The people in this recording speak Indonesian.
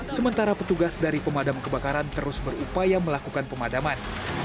sementara petugas dari pemadam kebakaran terus berupaya melakukan pemadaman